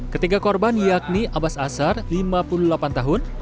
ketiga korban yakni abbas asar lima puluh delapan tahun